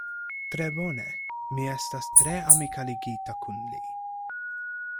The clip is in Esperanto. Tre bone; mi estas tre amikalligita kun li.